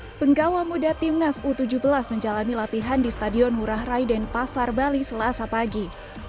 hai penggawa muda timnas u tujuh belas menjalani latihan di stadion hurah rai dan pasar bali selasa pagi